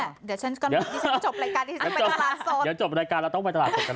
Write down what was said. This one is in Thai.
เดี๋ยวฉันกำลังดิฉันจบรายการที่ฉันไปตลาดสดเดี๋ยวจบรายการเราต้องไปตลาดสดกัน